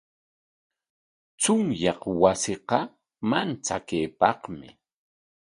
Chunyaq wasiqa manchakuypaqmi.